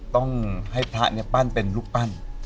ต้องให้พระปั้นเป็นรูปปั้น